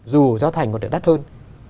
dù giáo thành có thể đắt hơn